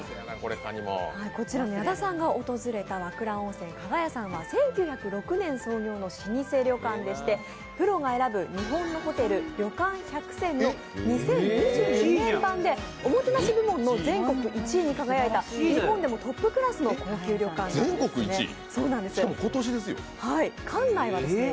矢田さんが訪れた和倉温泉加賀屋さんは１９０６年創業の老舗旅館でしてプロが選ぶ日本のホテル・旅館１００選の２０２２年版でおもてなし部門の全国１位に輝いた日本でもトップクラスの高級旅館なんですね。